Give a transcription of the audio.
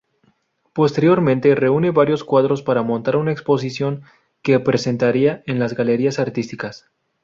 Posteriormente reúne varios cuadros para montar una exposición que presentaría en las Galerías Artísticas.